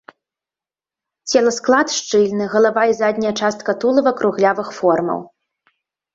Целасклад шчыльны, галава і задняя частка тулава круглявых формаў.